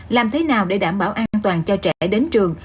làm thế nào để đảm bảo an toàn cho trẻ đến trường